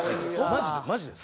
マジでマジです。